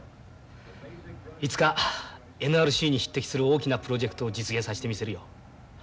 いつかＮＲＣに匹敵する大きなプロジェクトを実現させてみせるよ。